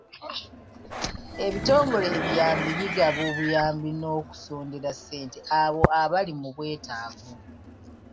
Ebitongole ebiyambi bigaba obuyambi n'okusondera ssente abo abali mu bwetaavu.